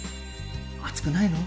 暑くないの？